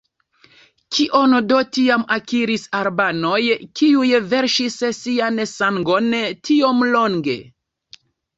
Kion do tiam akiris albanoj kiuj verŝis sian sangon tiom longe?